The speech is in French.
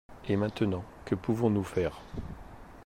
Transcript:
Et maintenant, que pouvons-nous faire?